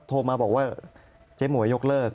โทรมาบอกว่าเจ๊หมวยยกเลิก